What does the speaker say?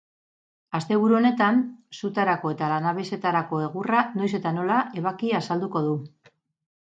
Asteburu honetan, sutarako eta lanabesetarako egurra noiz eta nola ebaki azalduko du.